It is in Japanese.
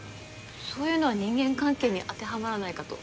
そういうのは人間関係に当てはまらないかと。